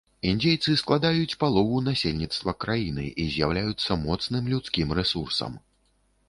Індзейцы складаюць палову насельніцтва краіны і з'яўляюцца моцным людскім рэсурсам.